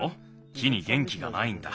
木にげんきがないんだ。